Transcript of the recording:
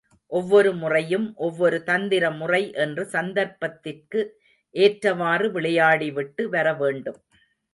ஒவ்வொரு முறையும் ஒவ்வொரு தந்திர முறை என்று சந்தர்ப்பத்திற்கு ஏற்றவாறு விளையாடிவிட்டு வர வேண்டும்.